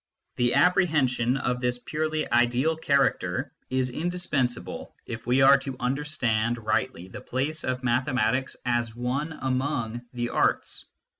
The apprehension of this purely ideal character is indispens able, if we are to understand rightly the place of mathematics as one among the arts.